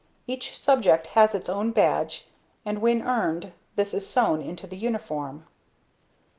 Each subject has its own badge and when earned this is sewn into the uniform.